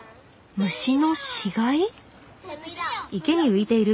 虫の死骸？